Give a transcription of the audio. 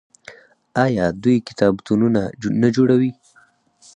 آیا دوی کتابتونونه نه جوړوي؟